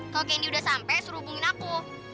kalau candy udah sampe suruh hubungin aku